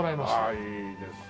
ああいいですね。